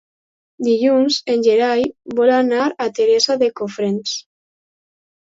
Dilluns en Gerai vol anar a Teresa de Cofrents.